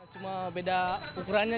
cuma beda ukurannya